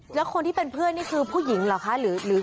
แล้วคนที่เป็นเพื่อนนี่คือผู้หญิงเหรอคะ